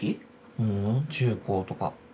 ううん中高とか。